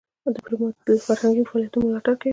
ډيپلومات له فرهنګي فعالیتونو ملاتړ کوي.